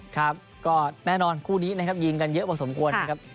ครับก็แน่นอนคู่นี้นะครับยิงกันเยอะพอสมควรนะครับ